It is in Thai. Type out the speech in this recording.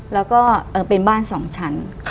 แล้วก็เป็นบ้าน๒ชั้น